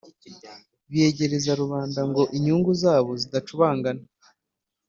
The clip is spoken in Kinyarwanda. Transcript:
biyegereza rubanda ngo inyungu zabo zidacubangana.